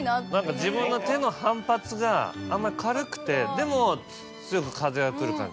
何か自分の手の反発が軽くてでも強く風は来る感じ。